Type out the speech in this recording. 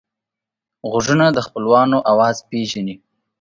غوږونه د خپلوانو آواز پېژني